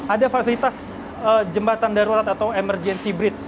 ada fasilitas jembatan darurat atau emergency bridge